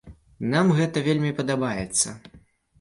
Нам гэта вельмі падабаецца.